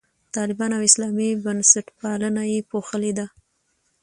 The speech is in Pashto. طالبان او اسلامي بنسټپالنه یې پوښلي دي.